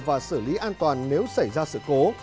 và xử lý an toàn nếu xảy ra sự cố